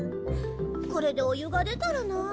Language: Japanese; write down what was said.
これでお湯が出たらなあ。